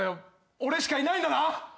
俺しかいないんだな。